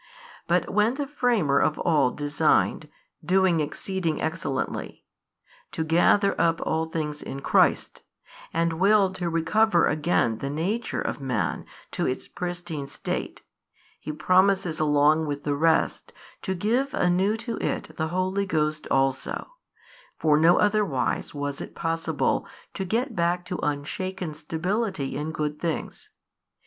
But when the Framer of all designed (doing exceeding excellently) to gather up all things in Christ, and willed to recover again the nature of man to its pristine state, He promises along with the rest to give anew to it the Holy Ghost also, for no otherwise was it possible to get back to unshaken stability in good things.